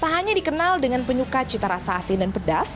tak hanya dikenal dengan penyuka cita rasa asin dan pedas